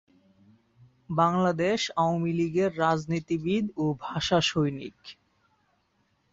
বাংলাদেশ আওয়ামী লীগের রাজনীতিবিদ ও ভাষাসৈনিক।